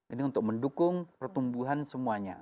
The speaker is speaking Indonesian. ini untuk mendukung pertumbuhan semuanya